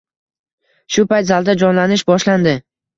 Shu payt zalda jonlanish boshlandi